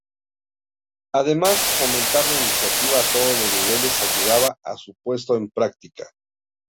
Además, fomentar la iniciativa a todos los niveles ayudaba a su puesta en práctica.